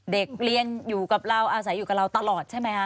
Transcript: เด็กเรียนอยู่กับเราอาศัยอยู่กับเราตลอดใช่ไหมคะ